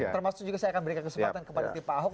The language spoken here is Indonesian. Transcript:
termasuk juga saya akan berikan kesempatan kepada tim pak ahok